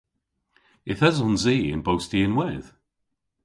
Yth esons i y'n bosti ynwedh.